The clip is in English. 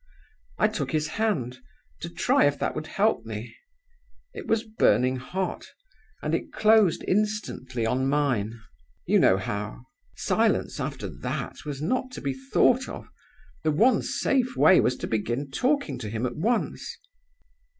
I took his hand, to try if that would help me. It was burning hot; and it closed instantly on mine you know how. Silence, after that, was not to be thought of. The one safe way was to begin talking to him at once.